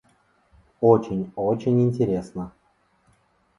Очень, очень интересно!